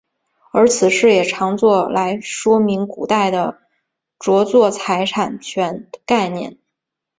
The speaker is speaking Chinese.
而此事也常作来说明古代的着作财产权概念。